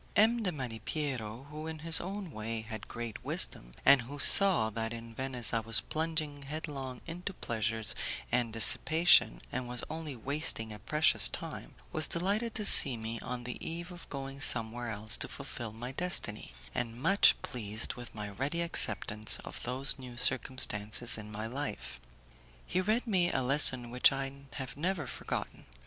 M. de Malipiero, who in his own way had great wisdom, and who saw that in Venice I was plunging headlong into pleasures and dissipation, and was only wasting a precious time, was delighted to see me on the eve of going somewhere else to fulfil my destiny, and much pleased with my ready acceptance of those new circumstances in my life. He read me a lesson which I have never forgotten.